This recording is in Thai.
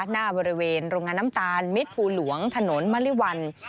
หน้าบริเวณโรงงานน้ำตาลมิตรภูหลวงถนนมริวัล